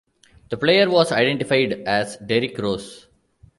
The player was identified as Derrick Rose.